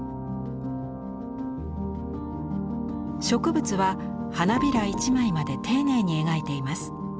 植物は花びら１枚まで丁寧に描いています。